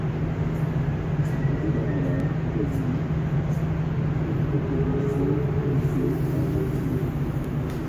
Il s'agit d'un radar tout azimut d'une précision de et de en azimut.